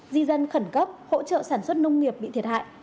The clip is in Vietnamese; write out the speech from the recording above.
di dân khẩn cấp hỗ trợ sản xuất nông nghiệp bị thiệt hại